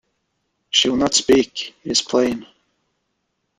She will not speak, it is plain.